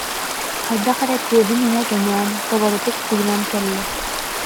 Хайдах эрэ түөһүн иһэ кэҥээн, толорутук тыынан кэллэ